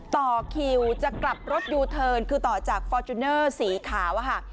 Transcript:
ต่อคิวจะกลับรถยูเทิร์นคือต่อจากฟอร์จูเนอร์สีขาวอะค่ะ